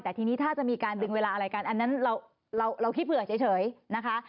แต่ทีนี้ถ้าจะมีการดึงเวลาอะไรกันอันนั้นเราคิดเผื่อเฉยนะคะ